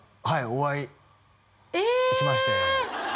はいお会いえっしましたよ